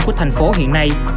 của thành phố hiện nay